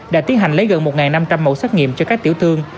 đã tiến hành lấy gần một năm trăm linh mẫu xét nghiệm cho các tiểu thương